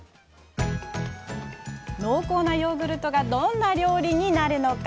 濃厚なヨーグルトがどんな料理になるのか？